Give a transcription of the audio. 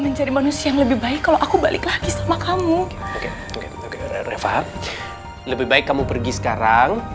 mencari manusia yang lebih baik kalau aku balik lagi sama kamu oke refab lebih baik kamu pergi sekarang